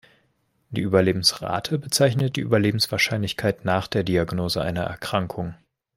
Die Überlebensrate bezeichnet die Überlebenswahrscheinlichkeit nach der Diagnose einer Erkrankung.